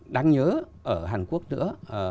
đáng nhớ ở hàn quốc nữa